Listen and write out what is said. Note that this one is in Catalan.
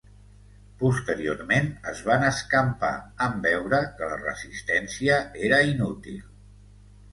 Posteriorment es van escampar en veure que la resistència era inútil.